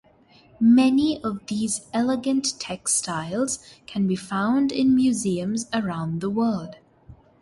Many of these elegant textiles can be found in museums around the world.